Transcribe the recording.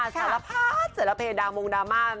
สารภาษณ์เศรษฐเพศดามงค์ดราม่า